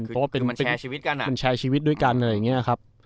เพราะว่าเป็นคือมันแชร์ชีวิตกันอ่ะมันแชร์ชีวิตด้วยกันอะไรอย่างเงี้ยครับ